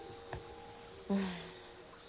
うん。